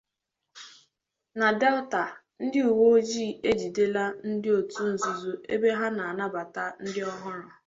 Na Delta, Ndị Uweojii Ejidela Ndị Otu Nzuzo Ebe Ha Na-Anabata Ndị Ọhụrụ